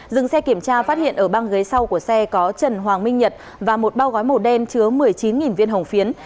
dừng xe kiểm tra phát hiện ở bang ghế sau của xe có trần hoàng minh nhật và một bao gói màu đen chứa một mươi chín viên hồng phiến